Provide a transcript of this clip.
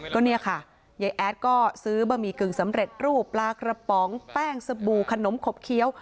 ก็เนี่ยค่ะยายแอดก็ซื้อบะหมี่กึ่งสำเร็จรูปปลากระป๋องแป้งสบู่ขนมขบเคี้ยว